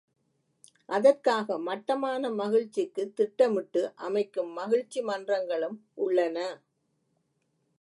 அதற்காக மட்டமான மகிழ்ச்சிக்குத் திட்டமிட்டு அமைக்கும் மகிழ்ச்சி மன்றங்களும் உள்ளன.